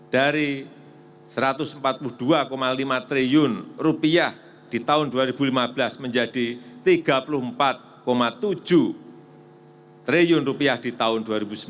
dari rp satu ratus empat puluh dua lima triliun di tahun dua ribu lima belas menjadi rp tiga puluh empat tujuh triliun di tahun dua ribu sembilan belas